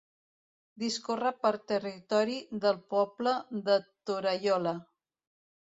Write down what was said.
Discorre per territori del poble de Torallola.